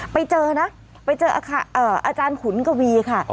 ไปเจอนะไปเจออาจารย์ขุนกวีค่ะ